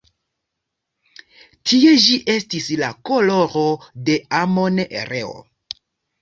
Tie ĝi estis la koloro de Amon-Reo.